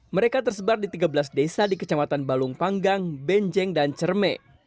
mereka tersebar di tiga belas desa di kecamatan balung panggang benjeng dan cerme